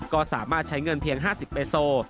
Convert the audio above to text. ก็สามารถใช้เงินเพียง๕๐เบโซล